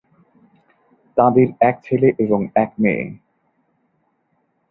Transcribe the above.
তাঁদের এক ছেলে এবং এক মেয়ে।